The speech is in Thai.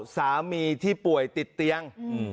สามีที่ป่วยติดเตียง